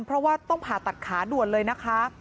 เพราะว่าต้องผ่าตัดขาด่วนเลยนะคะ